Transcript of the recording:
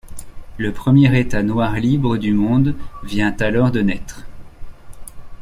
Le premier État noir libre du monde vient alors de naître.